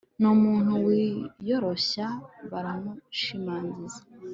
n'umuntu wiyoroshya baramushimagiza